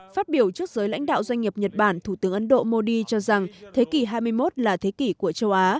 phát biểu trước giới lãnh đạo doanh nghiệp nhật bản thủ tướng ấn độ modi cho rằng thế kỷ hai mươi một là thế kỷ của châu á